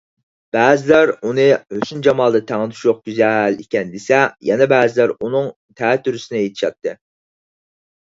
بەزىلەر ئۇنى ھۆسن - جامالدا تەڭدېشى يوق گۈزەل ئىكەن دېسە، يەنە بەزىلەر ئۇنىڭ تەتۈرىسىنى ئېيتىشاتتى.